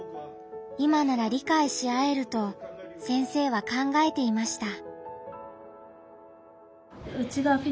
今なら理解し合えると先生は考えていました。